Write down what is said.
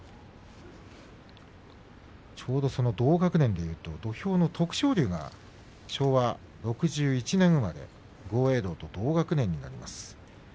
ちょうどその同学年でいうと土俵の徳勝龍が昭和６１年生まれ豪栄道と同学年になります。